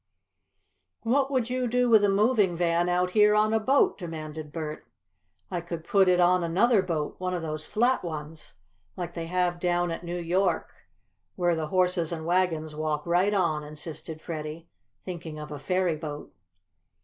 "What would you do with a moving van out here on a boat?" demanded Bert. "I could put it on another boat one of those flat ones, like they have down at New York, where the horses and wagons walk right on," insisted Freddie, thinking of a ferryboat.